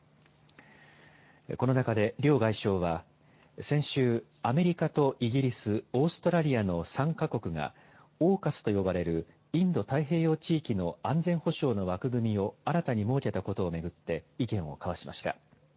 この中で両外相は先週、アメリカとイギリス、オーストラリアの３か国がＡＵＫＵＳと呼ばれるインド太平洋地域の安全保障の枠組みを新たに設けたことを巡って意見を交わしました。